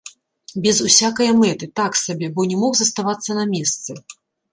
Без усякае мэты, так сабе, бо не мог заставацца на месцы.